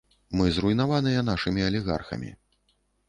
Мы зруйнаваныя нашымі алігархамі.